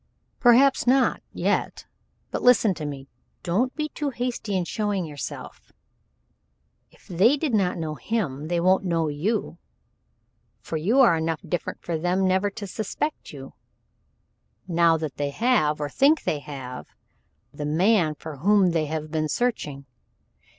"Perhaps not yet, but listen to me. Don't be too hasty in showing yourself. If they did not know him, they won't know you for you are enough different for them never to suspect you, now that they have, or think they have, the man for whom they have been searching.